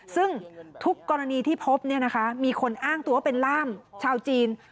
ซึ่งทุกกรณีที่พบมีคนอ้างตัวเป็นล่ามชาวจีน